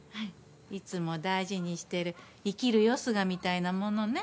いつも大事にしてる生きる縁みたいなものね。